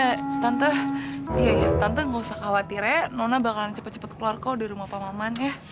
eh tante iya iya tante nggak usah khawatir ya nona bakalan cepat cepat keluar kok dari rumah pak maman ya